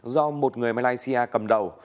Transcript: do một người malaysia cầm đầu